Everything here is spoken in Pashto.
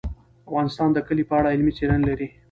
افغانستان د کلي په اړه علمي څېړنې لري.